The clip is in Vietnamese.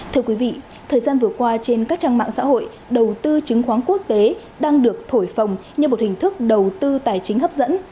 thưa quý vị thời gian vừa qua trên các trang mạng xã hội đầu tư chứng khoán quốc tế đang được thổi phòng như một hình thức đầu tư tài chính hấp dẫn